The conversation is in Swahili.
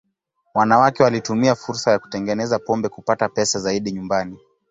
Wanawake walitumia fursa ya kutengeneza pombe kupata pesa zaidi nyumbani.